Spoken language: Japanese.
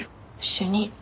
主任。